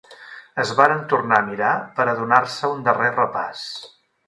Es varen tornar a mirar pera donar-se un darrer repàs